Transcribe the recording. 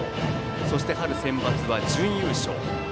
そして春センバツは準優勝。